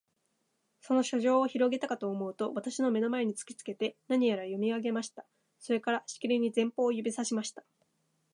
その書状をひろげたかとおもうと、私の眼の前に突きつけて、何やら読み上げました。それから、しきりに前方を指さしました。